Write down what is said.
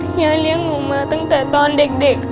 ยายเลี้ยงหนูมาตั้งแต่ตอนเด็ก